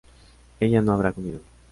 ella no habrá comido